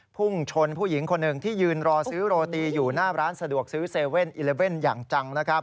พุ่งชนผู้หญิงคนหนึ่งที่ยืนรอซื้อโรตีอยู่หน้าร้านสะดวกซื้อ๗๑๑อย่างจังนะครับ